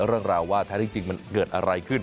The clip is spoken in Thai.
เรื่องราวว่าแท้ที่จริงมันเกิดอะไรขึ้น